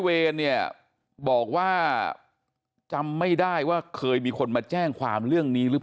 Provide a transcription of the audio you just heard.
เวรเนี่ยบอกว่าจำไม่ได้ว่าเคยมีคนมาแจ้งความเรื่องนี้หรือ